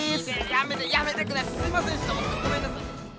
やめてやめてくだすいませんでしたごめんなさい！